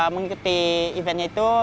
mengikuti eventnya itu